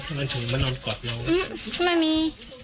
ทำไว้ถึงมานอนกอบน้องอืมไม่มี